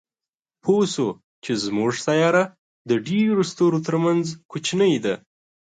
پوه شو چې زموږ سیاره د ډېرو ستورو تر منځ کوچنۍ ده.